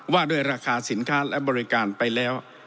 ว่าด้วยราคาสินค้าและบริการไปแล้ว